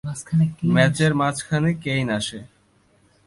ম্যাচের মাঝখানে কেইন আসে।